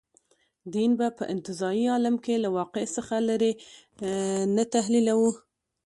دین به په انتزاعي عالم کې له واقع څخه لرې نه تحلیلوو.